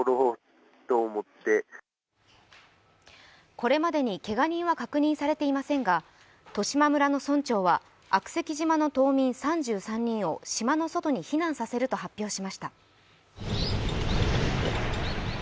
これまでにけが人は確認されていませんが十島村の村長は悪石島の島民３３人を島の外に避難させると発表しました。